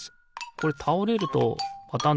これたおれるとパタン